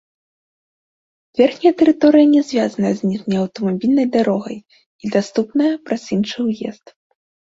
Верхняя тэрыторыя не звязаная з ніжняй аўтамабільнай дарогай, і даступная праз іншы ўезд.